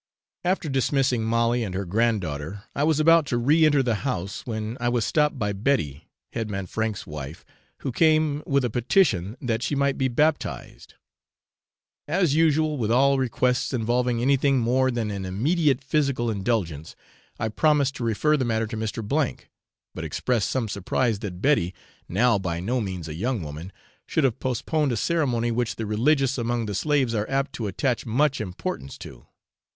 After dismissing Molly and her grand daughter, I was about to re enter the house, when I was stopped by Betty, head man Frank's wife, who came with a petition that she might be baptised. As usual with all requests involving anything more than an immediate physical indulgence, I promised to refer the matter to Mr. , but expressed some surprise that Betty, now by no means a young woman, should have postponed a ceremony which the religious among the slaves are apt to attach much importance to.